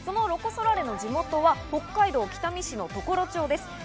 ロコ・ソラーレの地元は北海道北見市の常呂町です。